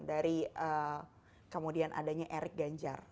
dari kemudian adanya erik ganjar